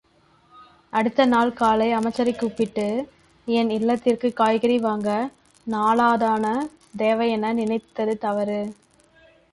அடுத்த நாள் காலை அமைச்சரைக் கூப்பிட்டு, என் இல்லத்திற்குக் காய்கறி வாங்க நாலணாத் தேவையென நினைத்தது தவறு.